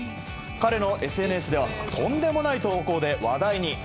彼のＳＮＳでは、とんでもない投稿で話題に。